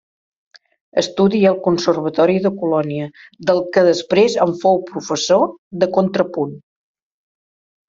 Estudia al Conservatori de Colònia, del que després en fou professor de contrapunt.